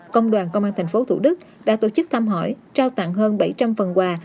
công đoàn công an tp thủ đức đã tổ chức thăm hỏi trao tặng hơn bảy trăm linh phần quà